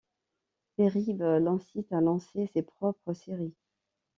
Derib l'incite à lancer ses propres séries.